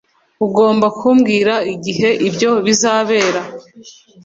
Ugomba kumbwira igihe ibyo bizabera